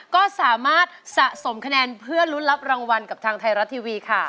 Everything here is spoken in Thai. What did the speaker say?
ก็สามารถสะสมคะแนนเพื่อลุ้นรับรางวัลกับทางไทยรัฐทีวีค่ะ